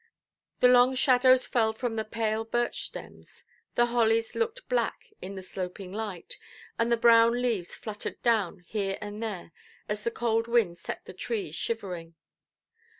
The long shadows fell from the pale birch stems, the hollies looked black in the sloping light, and the brown leaves fluttered down here and there as the cold wind set the trees shivering.